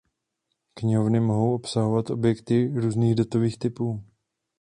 Knihovny mohou obsahovat objekty různých datových typů.